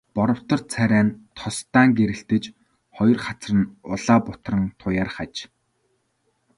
Боровтор царай нь тос даан гэрэлтэж, хоёр хацар нь улаа бутран туяарах аж.